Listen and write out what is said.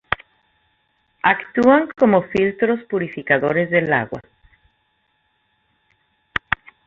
Actúan como filtros purificadores del agua.